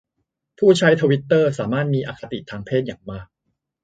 ผู้ใช้ทวิตเตอร์สามารถมีอคติทางเพศอย่างมาก